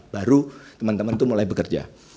baru teman teman itu mulai bekerja